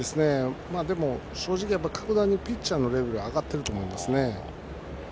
でも正直、格段にピッチャーのレベルは上がっていると思いますね。